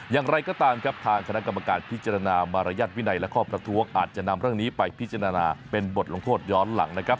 อย่างไรก็ตามครับทางคณะกรรมการพิจารณามารยาทวินัยและข้อประท้วงอาจจะนำเรื่องนี้ไปพิจารณาเป็นบทลงโทษย้อนหลังนะครับ